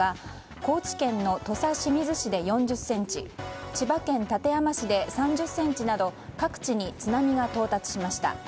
高知県の土佐清水市で４０ｃｍ千葉県館山市で３０ｃｍなど各地に津波が到達しました。